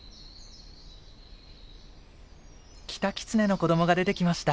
キタキツネの子どもが出てきました。